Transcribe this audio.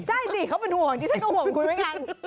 ใช่สิเขาเป็นห่วงที่ฉันก็ห่วงคุณไว้กัน